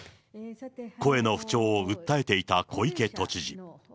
声の不調を訴えていた小池都知事。